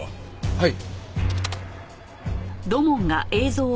はい。